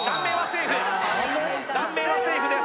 顔面はセーフです